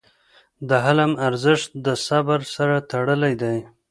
د حلم ارزښت د صبر سره تړلی دی.